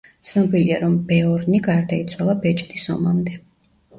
ცნობილია, რომ ბეორნი გარდაიცვალა ბეჭდის ომამდე.